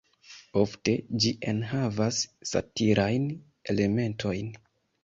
Ofte ĝi enhavas satirajn elementojn.